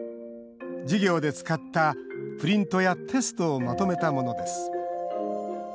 授業で使ったプリントやテストをまとめたものです。